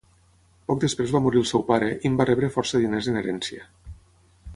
Poc després va morir el seu pare i en va rebre força diners en herència.